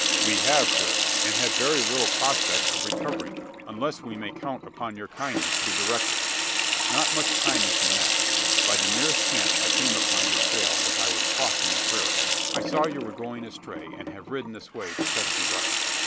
"We have, sir; and have very little prospect of recovering it, unless we may count upon your kindness to direct us." "Not much kindness in that. By the merest chance I came upon your trail, as I was crossing the prairie. I saw you were going astray; and have ridden this way to set you right."